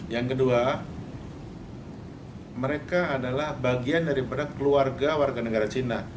yang kedua mereka adalah bagian daripada keluarga warga negara cina